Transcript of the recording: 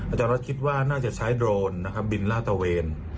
อาจารย์ออสคิดว่าน่าจะใช้โดรนบินลากระเวน